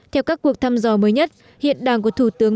theo các cuộc thăm dò mới nhất hiện đảng của thủ tướng